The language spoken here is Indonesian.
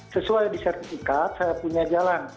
sesuai disertifikat saya punya jalan